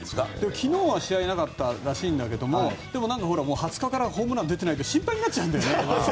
昨日は試合がなかったらしいけどでも、２０日からホームラン出てないと心配になっちゃうんだよね。